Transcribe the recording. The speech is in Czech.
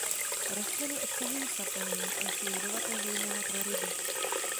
Rostliny obsahují saponiny a jsou jedovaté zejména pro ryby.